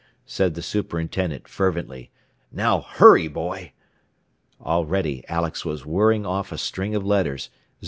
said the superintendent, fervently. "Now, hurry, boy!" Already Alex was whirring off a string of letters.